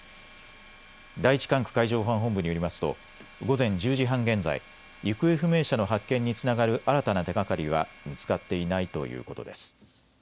第１管区海上保安本部によりますと午前１０時半現在、行方不明者の発見につながる新たな手がかりは見つかっていないということです。